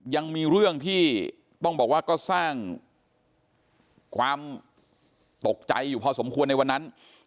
ยังมีเรื่องที่ต้องบอกว่าก็สร้างความตกใจอยู่พอสมควรในวันนั้น